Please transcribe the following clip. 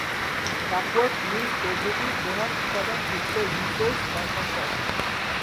Duckworth-Lewis পদ্ধতির প্রধান উপাদান হচ্ছে রিসোর্স বা সম্পদ।